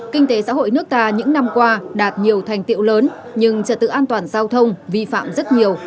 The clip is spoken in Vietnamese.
kinh tế xã hội nước ta những năm qua đạt nhiều thành tiệu lớn nhưng trật tự an toàn giao thông vi phạm rất nhiều